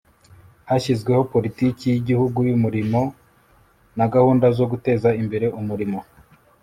hashyizweho politiki y'igihugu y'umurimo na gahunda zo guteza imbere umurimo